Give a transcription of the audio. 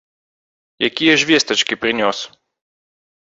Якія ж вестачкі прынёс?